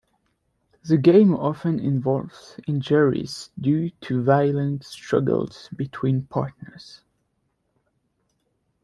The game often involves injuries due to the violent struggles between partners.